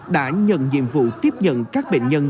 đã nhận nhiệm vụ tiếp nhận các bệnh nhân